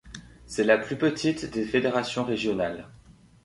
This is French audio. C’est la plus petite des fédérations régionales.